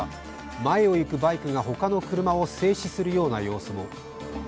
前を行くバイクが他の車を制止するような様子も。